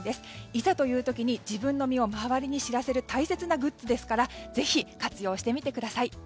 いざという時に自分の身を周りに知らせる大切なグッズですからぜひ、活用してみてください。